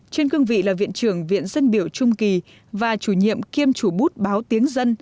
trên cương vị là viện trưởng viện dân biểu trung kỳ và chủ nhiệm kiêm chủ bút báo tiếng dân